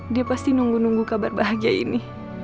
dia pasti nunggu nunggu kabar bahagia ini